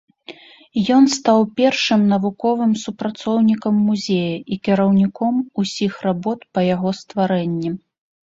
Ён стаў першым навуковым супрацоўнікам музея і кіраўніком ўсіх работ па яго стварэнні.